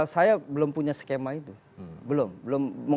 saya belum punya skema itu belum